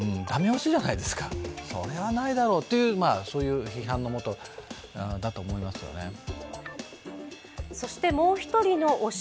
だめ押しじゃないですか、それはないだろうというそういう批判のもとだと思いますよね。